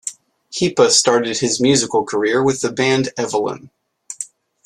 Hipa started his musical career with the band Evelynn.